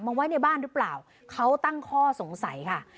ไว้ในบ้านหรือเปล่าเขาตั้งข้อสงสัยค่ะ